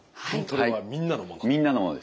みんなのものです。